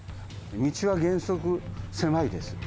道は原則、狭いです。